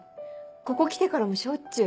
ここ来てからもしょっちゅう。